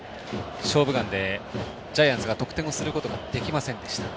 「勝負眼」でジャイアンツが得点することできませんでした。